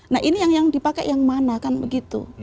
nah ini yang dipakai yang mana kan begitu